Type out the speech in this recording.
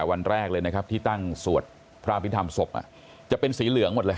วันแรกเลยนะครับที่ตั้งสวดพระอภิษฐรรมศพจะเป็นสีเหลืองหมดเลย